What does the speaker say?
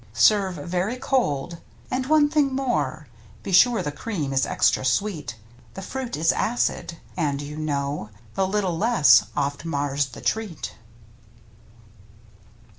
Serve very cold. And, one thing more. Be sure the cream is extra sweet. The fruit is acid, and you know " The little less " oft mars the treat.